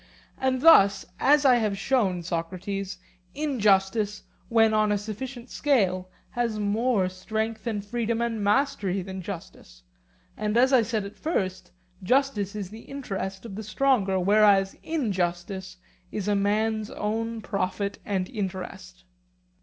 And thus, as I have shown, Socrates, injustice, when on a sufficient scale, has more strength and freedom and mastery than justice; and, as I said at first, justice is the interest of the stronger, whereas injustice is a man's own profit and interest.